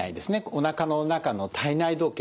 おなかの中の体内時計。